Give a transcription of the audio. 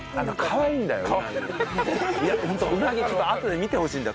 かわいいんですよ。